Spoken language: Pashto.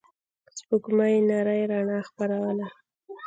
سپوږمۍ نرۍ رڼا خپروله.